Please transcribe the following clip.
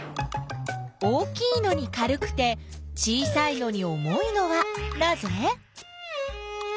大きいのに軽くて小さいのに重いのはなぜ？